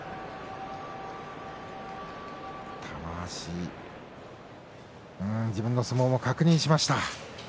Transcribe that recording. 玉鷲自分の相撲を確認しました。